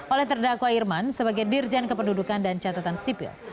oleh terdakwa irman sebagai dirjen kependudukan dan catatan sipil